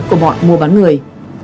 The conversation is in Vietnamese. của mọi mua bán người